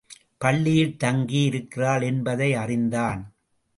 பள்ளியில் தங்கி இருக்கிறாள் என்பதை அறிந்தான்.